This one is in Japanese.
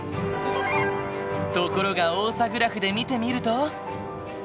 ところがオーサグラフで見てみると。